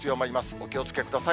お気をつけください。